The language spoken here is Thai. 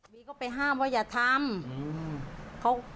ก็ไปห้ามว่าอย่าทำ